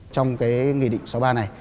trong cái nghị định sáu mươi ba này